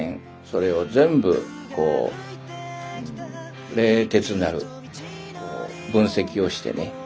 それを全部こう冷徹なる分析をしてね